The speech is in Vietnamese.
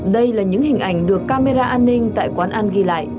đây là những hình ảnh được camera an ninh tại quán ăn ghi lại